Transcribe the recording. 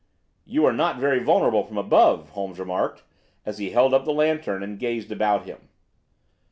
"You are not very vulnerable from above," Holmes remarked as he held up the lantern and gazed about him.